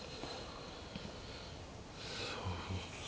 そうか。